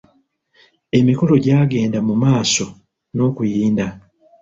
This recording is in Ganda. Emikolo gyagenda mu maaso n'okuyinda.